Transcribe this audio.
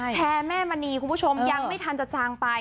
แม่มณีคุณผู้ชมยังไม่ทันจะจางไป